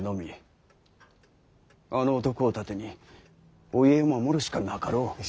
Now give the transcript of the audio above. あの男を盾にお家を守るしかなかろう。